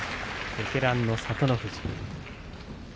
ベテランの聡ノ富士。